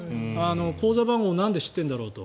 口座番号なんで知ってるんだろうと。